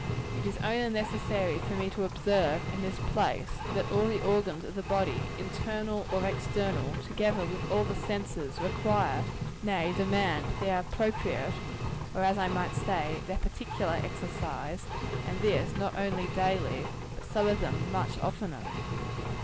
It is only necessary for me to observe, in this place, that all the organs of the body, internal or external, together with all the senses, require, nay, demand, their appropriate or, as I might say, their particular exercise; and this, not only daily, but some of them much oftener.